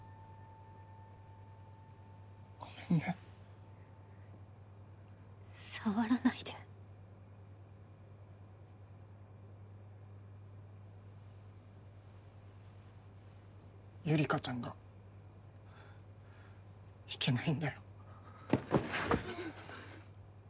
ごめんね触らないでゆりかちゃんがいけないんだよ